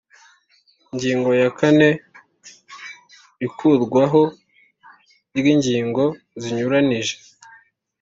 Ingingo ya kane Ikurwaho ry ingingo zinyuranije